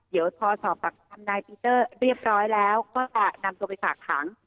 เดี๋ยวพอสอบปากคำนายปีเตอร์เรียบร้อยแล้วก็จะนำตัวไปฝากขัง